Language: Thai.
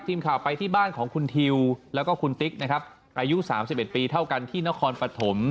ทีมข่าวไปที่บ้านของคุณทิวแล้วก็คุณติ๊กนะครับอายุ๓๑ปีเท่ากันที่นครปฐม